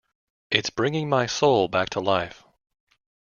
It's bringing my soul back to life.